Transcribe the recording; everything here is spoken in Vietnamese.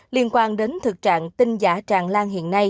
liên quan đến thực trạng tinh giả tràn cầu